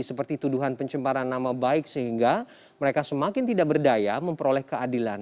seperti tuduhan pencemaran nama baik sehingga mereka semakin tidak berdaya memperoleh keadilan